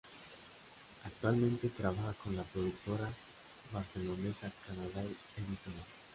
Actualmente trabaja con la productora barcelonesa Canada Editorial.